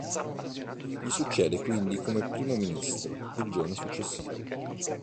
Gli succede quindi come primo ministro il giorno successivo.